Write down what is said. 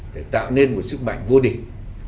để tạo nên một sức mạnh vô địch